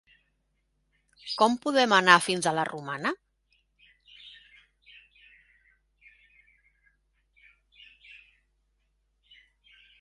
Com podem anar fins a la Romana?